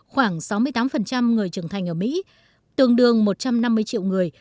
khoảng sáu mươi tám người trưởng thành ở mỹ tương đương một trăm năm mươi triệu người